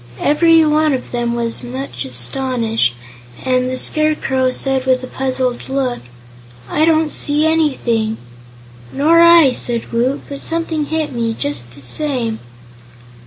Everyone of them was much astonished, and the Scarecrow said with a puzzled look: "I don't see anything." "Nor I," said Woot; "but something hit me, just the same."